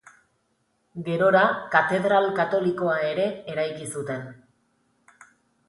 Gerora, katedral katolikoa ere eraiki zuten.